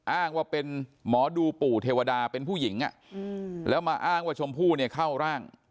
อ้างว่าเป็นหมอดูปู่เทวดาเป็นผู้หญิงแล้วมาอ้างว่าชมพู่เนี่ยเข้าร่าง